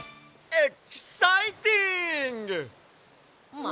えっ？